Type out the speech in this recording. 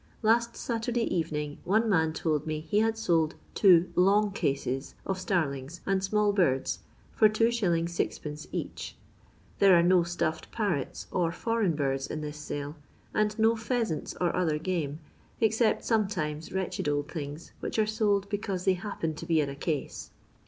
Last Saturday erening one man told me he had sold two " long cases" of starlings and small birds for 2s. M. each. There are no stofied parrots or foreign birds in this sale, and no pheasants or other game, except sometimes wretched old things which are sold because they havpen to be in a case.